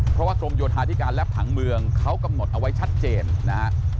เพราะว่ากรมโยธาธิการและผังเมืองเขากำหนดเอาไว้ชัดเจนนะฮะ